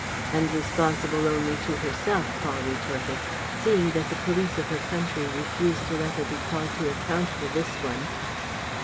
"And responsible only to herself," Paul retorted, "seeing that the police of her country refused to let her be called to account for this one."